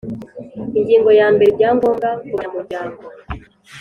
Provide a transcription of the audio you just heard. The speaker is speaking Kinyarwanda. Ingingo ya mbere Ibyangombwa kubanyamuryango